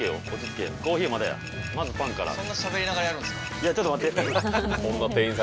いやちょっと待って。